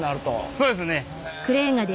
そうですね。